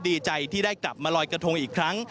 ดีใจที่ได้กลับมาลอยกระทงอีกครั้ง